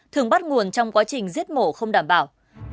thường bắt nguồn trong quá trình giết mổ không đảm bảo